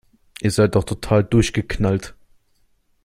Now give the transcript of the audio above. Ihr seid doch total durchgeknallt!